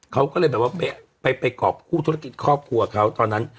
เขาก็เลยแบบว่าไปกรอบคู่ธุรกิจครอบครัวเขาตอนนั้น